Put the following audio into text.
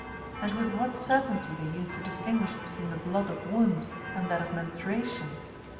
And with 'what certainty they used to distinguish between the blood of wounds and that of menstruation.